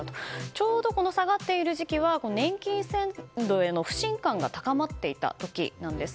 ちょうどこの下がっている時期は年金制度への不信感が高まっていた時なんです。